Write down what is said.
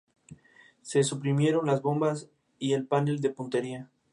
Destacados misioneros jesuitas incluyeron al navarro San Francisco Javier y al italiano Matteo Ricci.